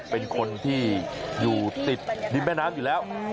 เป็นคนที่อยู่ติดริมแม่น้ำอยู่แล้ว